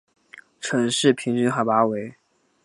城市平均海拔为。